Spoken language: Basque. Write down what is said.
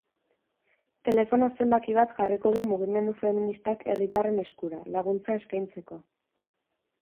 Telefono zenbaki bat jarriko du mugimendu feministak herritarren eskura, laguntza eskaintzeko.